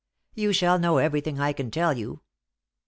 "You shall know everything I can tell you.